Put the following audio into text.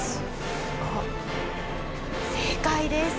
正解です。